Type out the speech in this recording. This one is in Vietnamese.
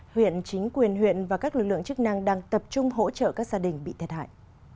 huyện chính quyền huyện và các lực lượng chức năng đang tập trung hỗ trợ các gia đình bị thiệt hại